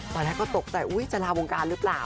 ตอนแรกก็ตกใจอุ๊ยจะลาวงการหรือเปล่า